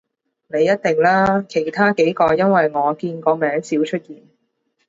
你一定啦，其他幾個因爲我見個名少出現